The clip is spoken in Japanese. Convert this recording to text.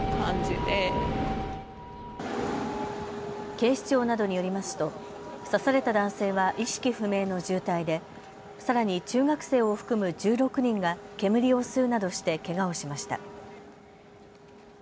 警視庁などによりますと刺された男性は意識不明の重体でさらに中学生を含む１６人が煙を吸うなどしてけがをしました。